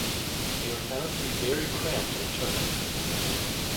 They were found to be very cramped internally.